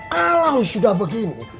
kalau sudah begini